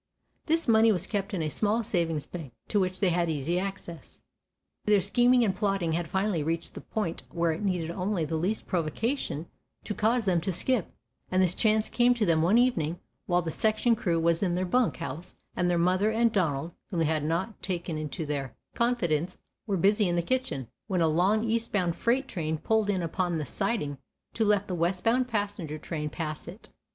This money was kept in a small savings bank, to which they had easy access. Their scheming and plotting had finally reached the point where it needed only the least provocation to cause them to skip, and this chance came to them one evening while the section crew was in their bunk house, and their mother and Donald, whom they had not taken into their confidence, were busy in the kitchen, when a long, eastbound freight train pulled in upon the siding to let the westbound passenger train pass it.